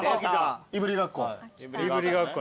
いぶりがっこ。